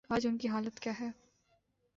آج ان کی حالت کیا ہے؟